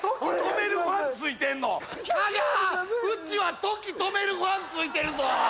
うちは時止めるファンついてるぞ。